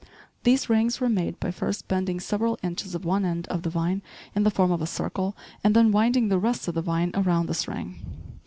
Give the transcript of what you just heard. These rings were made by first bending several inches of one end of the vine in the form of a circle, and then winding the rest of the vine around this ring.